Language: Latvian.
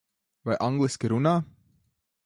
Vai angliski runā?